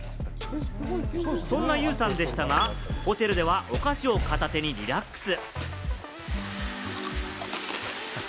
そんなユウさんでしたが、ホテルでは、お菓子を片手にリラックス。